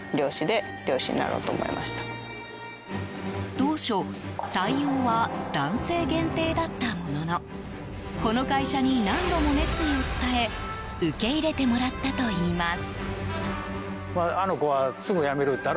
当初、採用は男性限定だったもののこの会社に何度も熱意を伝え受け入れてもらったといいます。